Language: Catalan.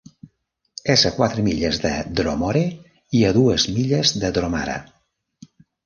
És a quatre milles de Dromore i a dues milles de Dromara.